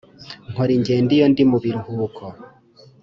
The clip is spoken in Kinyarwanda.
nkora ingendo iyo ndi mu biruhuko